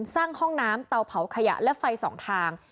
ห้องน้ำเตาเผาขยะและไฟสองทาง